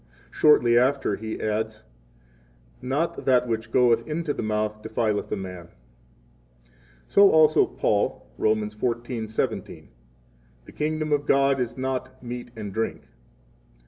Shortly after He adds: Not that which goeth into the mouth defileth a man. So also Paul, Rom. 14:17: 24 The kingdom of God is not meat and drink.